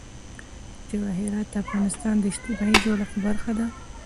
جواهرات د افغانستان د اجتماعي جوړښت برخه ده.